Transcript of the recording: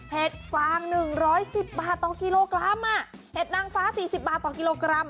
เห็ดฟางหนึ่งร้อยสิบบาทต่อกิโลกรัมอ่ะเห็ดนางฟ้าสี่สิบบาทต่อกิโลกรัม